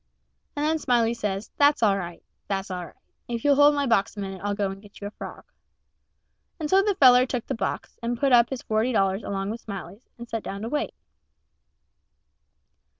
And then Smiley says, "That's all right that's all right if you'll hold my box a minute I'll go and get you a frog." And so the feller took the box, and put up his forty dollars along with Smiley's, and set down to wait.